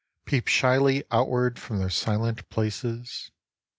Peep shyly outward from their silent places.